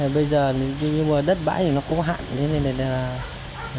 bây giờ nhưng mà đất bãi nó có hạn nên là